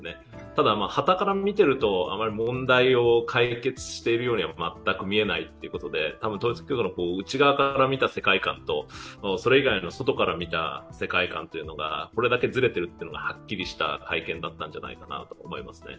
ただ、はたから見ていると問題を解決しているようには全く見えないということで多分統一教会の内側から見た世界観とそれ以外の外から見た世界観がこれだけずれていることがはっきりした会見だったんじゃないかと思いますね。